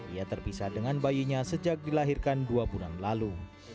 ia terpisah dengan bayinya sejak dilahirkan dua bulan lalu